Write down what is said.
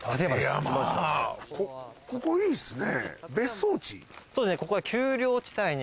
ここいいっすね。